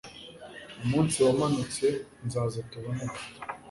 umunsi wamanutse nzaza tubonane